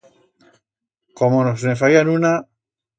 Como nos ne fayan una!